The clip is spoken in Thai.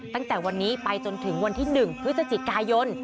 ตั้งแต่วันนี้ไปจนถึงวันที่๑พฤศจิกายน